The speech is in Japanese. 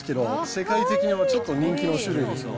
世界的にはちょっと人気の種類ですよ。